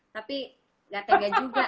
tapi gak tega juga